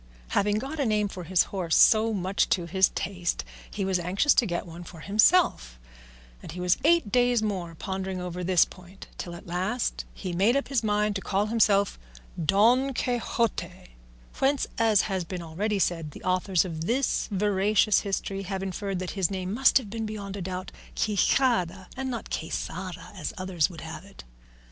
Having got a name for his horse so much to his taste, he was anxious to get one for himself, and he was eight days more pondering over this point, till at last he made up his mind to call himself "Don Quixote," whence, as has been already said, the authors of this veracious history have inferred that his name must have been beyond a doubt Quixada, and not Quesada as others would have it.